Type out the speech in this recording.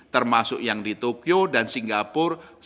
termasuk yang di tokyo dan singapura